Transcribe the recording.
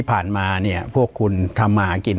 ปากกับภาคภูมิ